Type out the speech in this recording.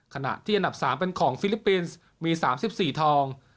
ขณะที่อันดับ๓เป็นของฟิลิปปินส์มี๓๔ทอง